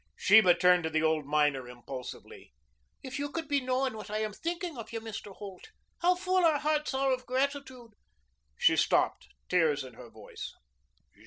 Sheba turned to the old miner impulsively. "If you could be knowing what I am thinking of you, Mr. Holt, how full our hearts are of the gratitude " She stopped, tears in her voice.